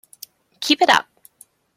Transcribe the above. Keep it up!